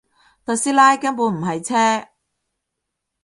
特斯拉根本唔係車